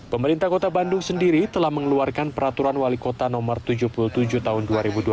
pemerintah kota bandung sendiri telah mengeluarkan peraturan wali kota no tujuh puluh tujuh tahun dua ribu dua puluh